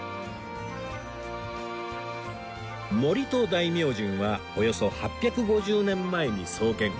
森戸大明神はおよそ８５０年前に創建